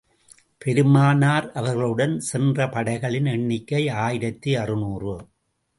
பெருமானார் அவர்களுடன் சென்ற படைகளின் எண்ணிக்கை ஆயிரத்து அறுநூறு.